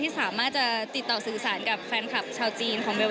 สามารถจะติดต่อสื่อสารกับแฟนคลับชาวจีนของเบล